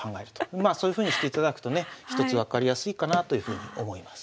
まあそういうふうにしていただくとねひとつ分かりやすいかなというふうに思います。